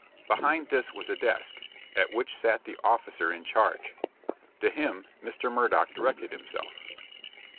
Behind this was a desk, at which sat the officer in charge. To him, Mr. Murdock directed himself.